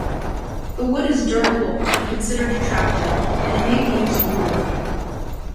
The wood is durable and considered attractive, and it may be used in woodworking.